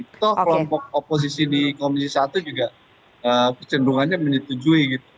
atau kelompok oposisi di komisi satu juga kecenderungannya menyetujui gitu